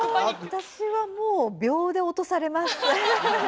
私はもう秒で落とされます。